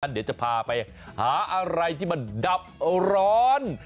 เดี๋ยวจะพาไปหาอะไรที่มันดับร้อน